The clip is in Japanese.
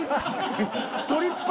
トリッパ。